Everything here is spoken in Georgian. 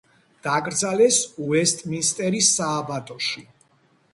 დაკრძალეს უესტმინსტერის სააბატოში.